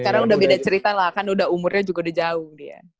sekarang udah beda cerita lah kan udah umurnya juga udah jauh dia